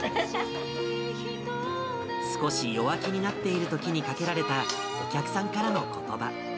少し弱気になっているときにかけられた、お客さんからのことば。